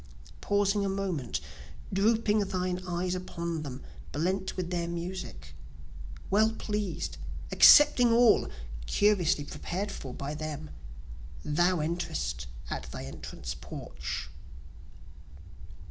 pausing a moment, drooping thine eyes upon them, blent with their music, Well pleased, accepting all, curiously prepared for by them, Thou enterest at thy entrance porch.